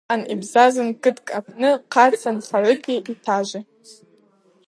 Йаъан йбзазун кыткӏ апны хъацӏа нхагӏвыкӏи йтажви.